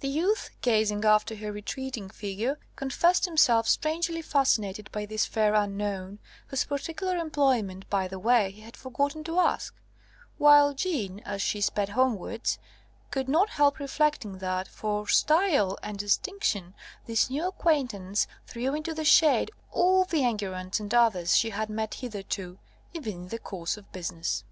The youth, gazing after her retreating figure, confessed himself strangely fascinated by this fair unknown, whose particular employment, by the way, he had forgotten to ask; while Jeanne, as she sped homewards, could not help reflecting that, for style and distinction, this new acquaintance threw into the shade all the Enguerrands and others she had met hitherto even in the course of business.